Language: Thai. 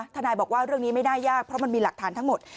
ทนายบอกว่าเรื่องนี้ไม่น่ายากเพราะมันมีหลักฐานทั้งหมด